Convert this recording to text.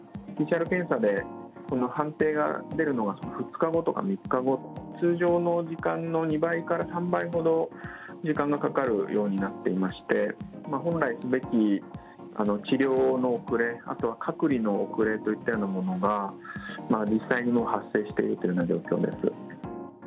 ＰＣＲ検査で判定が出るのが２日後とか３日後、通常の時間の２倍から３倍ほど、時間がかかるようになっていまして、本来すべき治療の遅れ、あとは隔離の遅れといったようなものが、実際にもう発生しているというような状況です。